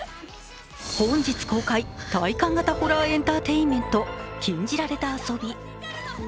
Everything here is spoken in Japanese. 本日公開体感型ホラーエンターテインメント「禁じられた遊び」。